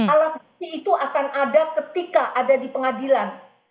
alat bukti itu akan ada ketika ada di pengadilan